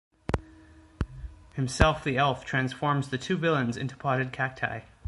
Himself the elf transforms the two villains into potted cacti.